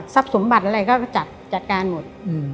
สมบัติอะไรก็จัดการหมด